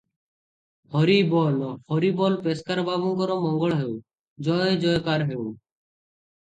"ହରିବୋଲ - ହରିବୋଲ ପେସ୍କାର ବାବୁଙ୍କର ମଙ୍ଗଳ ହେଉ, ଜୟ ଜୟକାର ହେଉ ।"